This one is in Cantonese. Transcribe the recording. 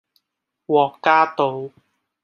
獲嘉道